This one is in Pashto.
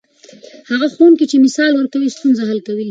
هغه ښوونکی چې مثال ورکوي، ستونزه حل کوي.